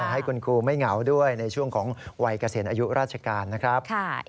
ให้คุณครูไม่เหงาด้วยในช่วงของวัยเกษียณอายุราชการนะครับ